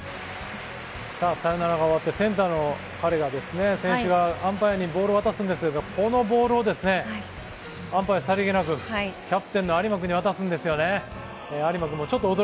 サヨナラが終わってセンターの彼が選手がアンパイアにボールを渡すんですがこのボールをさりげなくキャプテン有馬君に渡すんです。